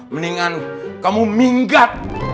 mendingan kamu minggat